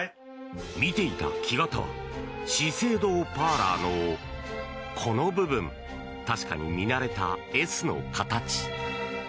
見ていた木型は資生堂パーラーのこの部分確かに見慣れたＳの形。